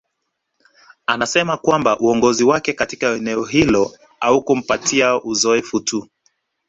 Anasema kwamba uongozi wake katika eneo hilo haukumpatia uzoefu tu